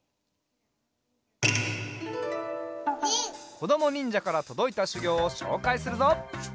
こどもにんじゃからとどいたしゅぎょうをしょうかいするぞ。